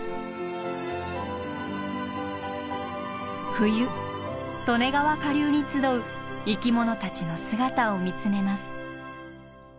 冬利根川下流に集う生き物たちの姿を見つめます。